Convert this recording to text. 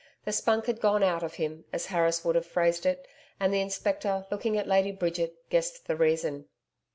The spunk had gone out of him, as Harris would have phrased it; and the Inspector, looking at Lady Bridget, guessed the reason.